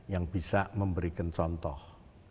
yang bisa memberikan contoh